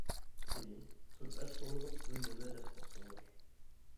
قېنى سۈرئەت توغرىلىق بىر نېمە دەپ باقساڭلار.